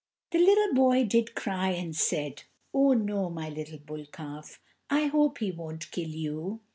The little boy did cry, and said: "Oh, no, my little bull calf; I hope he won't kill you."